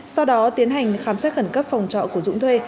sau đó tiến hành khám xét khẩn cấp phòng trọ của dũng thuê